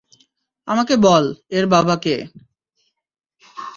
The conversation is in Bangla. আমাকে বল, এর বাবা কে?